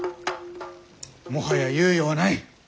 もはや猶予はない。